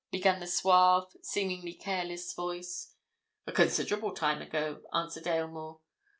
began the suave, seemingly careless voice. "A considerable time ago," answered Aylmore.